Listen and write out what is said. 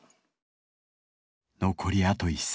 残りあと１戦。